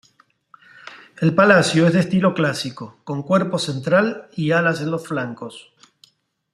El Palacio es de estilo clásico, con cuerpo central y alas en los flancos.